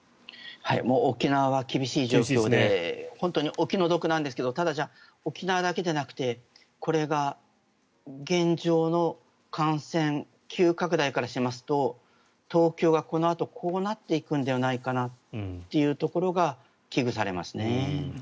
沖縄は厳しい状況で本当にお気の毒なんですがただ、沖縄だけじゃなくてこれが現状の感染急拡大からしますと東京がこのあとこうなっていくんではないかなというところが危惧されますね。